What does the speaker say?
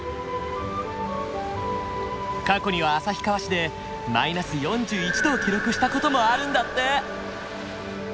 過去には旭川市で−４１度を記録した事もあるんだって！